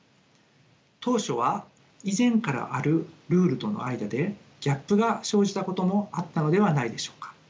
当初は以前からあるルールとの間でギャップが生じたこともあったのではないでしょうか？